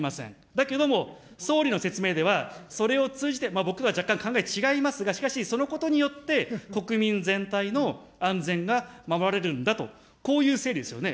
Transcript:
だけども、総理の説明では、それを通じて、僕は若干考え違いますが、しかしそのことによって、国民全体の安全が守られるんだと、こういう整理ですよね。